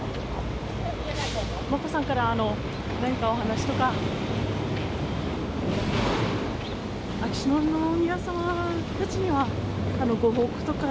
眞子さんから何かお話とか。